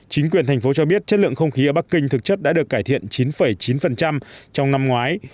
chính quyền thành phố cho biết chất lượng không khí ở bắc kinh thực chất đã được cải thiện chín chín trong năm ngoái